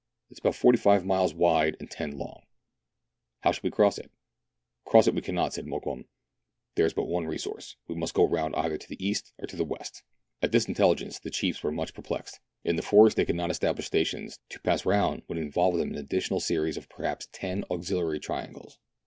" It is about forty five miles wide, and ten long." " How shall we cross it }"" Cross it we cannot," said Mokoum. " There is but 120 meridiana; the adventures of one resource : we must go round either to the east or to the west." At this intelligence the chiefs were much perplexed. In the forest they could not establish stations ; to pass round would involve them in an additional series of perhaps ten auxiliary triangles.